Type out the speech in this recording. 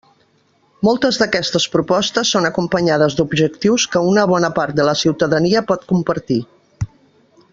Moltes d'aquestes propostes són acompanyades d'objectius que una bona part de la ciutadania pot compartir.